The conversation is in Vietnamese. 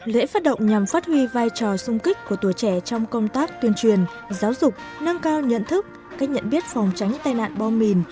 lễ phát động nhằm phát huy vai trò sung kích của tuổi trẻ trong công tác tuyên truyền giáo dục nâng cao nhận thức cách nhận biết phòng tránh tai nạn bom mìn